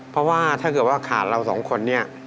เพราะว่าถ้าเกิดว่าขาดเราสองคนเนี่ย